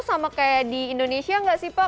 sama kayak di indonesia nggak sih pak